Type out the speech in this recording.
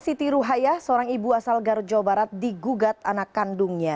siti ruhaya seorang ibu asal garut jawa barat digugat anak kandungnya